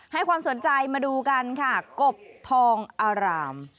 ให้ความสนใจมาดูกันค่ะกบทองอาราม